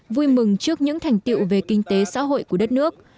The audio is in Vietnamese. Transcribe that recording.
vui mừng trước những thành tiệu về kinh tế xã hội của đất nước